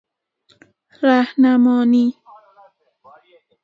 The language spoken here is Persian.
رهنمانی